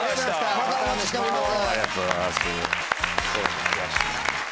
またお待ちしております。